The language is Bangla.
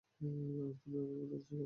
আর তুমি আমায় বন্ধুত্ব শিখাবা?